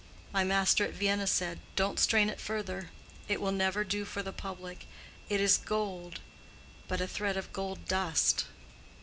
My master at Vienna said, 'Don't strain it further: it will never do for the public:—it is gold, but a thread of gold dust.